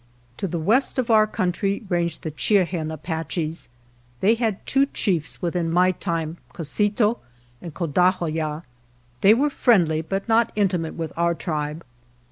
To the west of our country ranged the Chi e ajien Apaches. They had two chiefs within my time, Co si to and Co da hoo yah. They were friendly, but not intimate with our tribe.